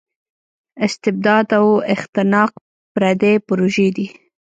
استبداد او اختناق پردۍ پروژې دي.